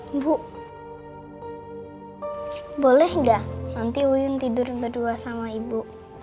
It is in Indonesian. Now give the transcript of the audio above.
ibu boleh gak nanti uyun tidur berdua sama ibu